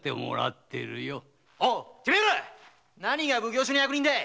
てめえら何が奉行所の役人だ。